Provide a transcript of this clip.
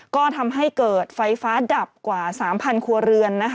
ก็ทำให้เกิดไฟฟ้าดับกว่า๓๐๐ครัวเรือน